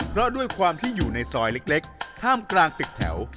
เพราะด้วยความที่อยู่ในซอยเล็กท่ามกลางตึกแถว